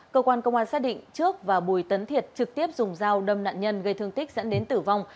cơ quan công an xác định trước và bùi tấn thiệt trực tiếp dùng dao đâm nạn nhân gây thương tích dẫn đến tử vong